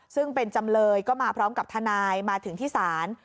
ซึ่งเป็นจำเลยก็มาพร้อมกับทนายมาถึงที่ศาล